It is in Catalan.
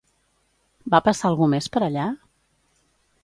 Va passar algú més per allà?